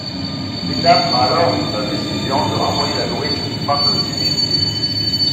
Linda prend alors la décision de renvoyer la nourrice souffrant de sénilité.